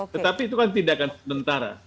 tetapi itu kan tindakan sementara